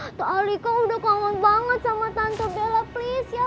tante alika udah kawan banget sama tante bella please ya pak